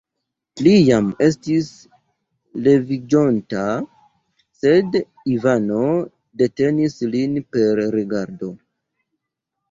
Li jam estis leviĝonta, sed Ivano detenis lin per rigardo.